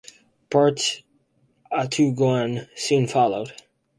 Barit-Amtuagan soon followed.